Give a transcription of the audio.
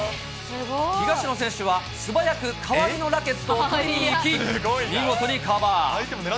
東野選手は素早く代わりのラケットを取りに行き、見事にカバー。